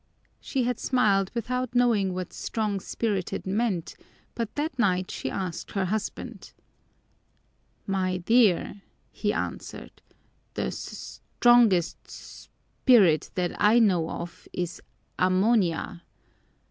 She had smiled, without knowing what strong spirited meant, but that night she asked her husband. "My dear," he answered, "the s strongest s spirit that I know of is ammonia.